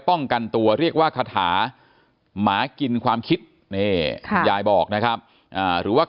ป้องกันตัวเรียกว่าคาถาหมากินความคิดนี่ยายบอกนะครับหรือว่า